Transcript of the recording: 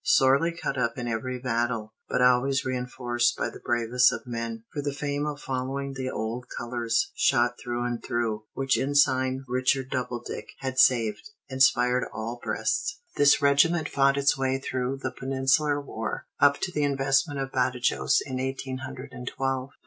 Sorely cut up in every battle, but always reinforced by the bravest of men, for the fame of following the old colors, shot through and through, which Ensign Richard Doubledick had saved, inspired all breasts, this regiment fought its way through the Peninsular war, up to the investment of Badajos in eighteen hundred and twelve.